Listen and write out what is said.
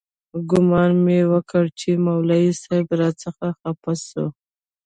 ګومان مې وکړ چې مولوي صاحب راڅخه خپه سو.